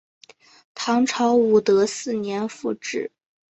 唐朝武德四年复置。